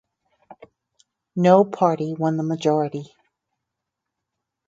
No party won the majority.